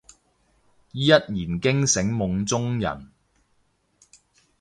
一言驚醒夢中人